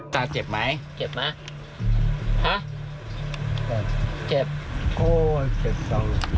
ตาเจ็บไหมเจ็บเหรอโอ้เจ็บซ้ำเลย